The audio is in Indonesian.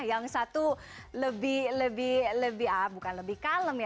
yang satu lebih lebih lebih ah bukan lebih kalem ya